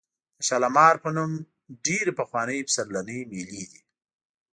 د شالمار په نوم ډېرې پخوانۍ پسرلنۍ مېلې دي.